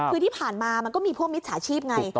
คือที่ผ่านมามันก็มีพวกมิจฉาชีพไง